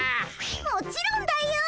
もちろんだよ！